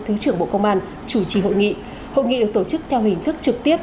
thứ trưởng bộ công an chủ trì hội nghị hội nghị được tổ chức theo hình thức trực tiếp